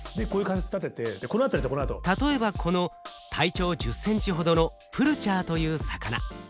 例えばこの体長１０センチほどのプルチャーという魚。